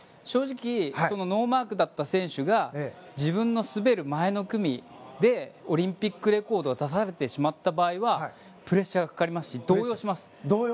正直ノーマークだった選手が自分が滑る前の組でオリンピックレコードを出されてしまった場合はプレッシャーがかかりますし動揺します。